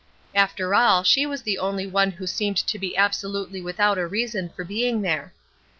After all she was the only one who seemed to be absolutely without a reason for being there.